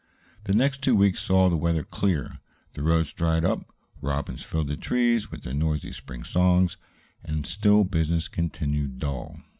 The next two weeks saw the weather clear. The roads dried up, robins filled the trees with their noisy spring songs, and still business continued dull.